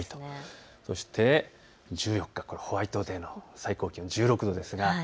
そして１４日、ホワイトデー、最高気温１６度です。